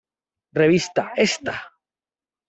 Revista ¡¡Ésta!!